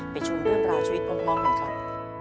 ไปชุมเรื่องราชวิตมองเหมือนกัน